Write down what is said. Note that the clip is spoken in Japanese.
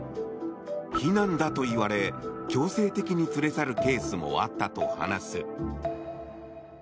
避難だといわれ、強制的に連れ去るケースもあったと話す。